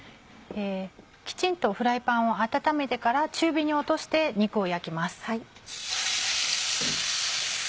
きちんとフライパンを温めてから中火に落として肉を焼きます。